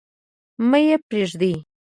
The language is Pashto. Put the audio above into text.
مه يې پريږدﺉ.